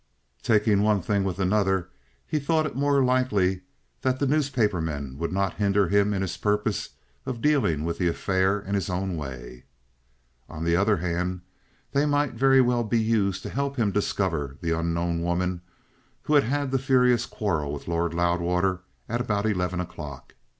Taking one thing with another, he thought it more than likely that the newspaper men would not hinder him in his purpose of dealing with the affair in his own way. On the other hand, they might very well be used to help him discover the unknown woman who had had the furious quarrel with Lord Loudwater at about eleven o'clock.